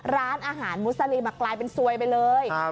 ร้านอาหารมุสลิมกลายเป็นซวยไปเลย